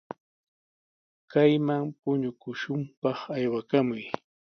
Kayman puñukushunpaq aywakamuy.